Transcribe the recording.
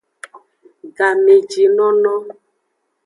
Gamejinono.